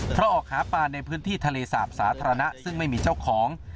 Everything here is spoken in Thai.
เพราะออกหาปลาในพื้นที่ทะเลสาบสาธารณะซึ่งไม่มีเจ้าของ